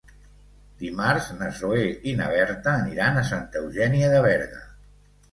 Dimarts na Zoè i na Berta aniran a Santa Eugènia de Berga.